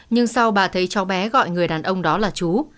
nhưng sau bà thấy cháu bé gọi người đàn ông đó là chú